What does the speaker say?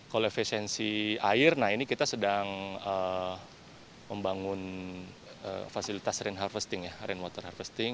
kolek vncc air ini kita sedang membangun fasilitas rain harvesting rain water harvesting